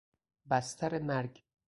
بستر مرگ